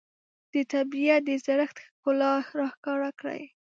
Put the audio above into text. د طبیعت د زړښت ښکلا راښکاره وي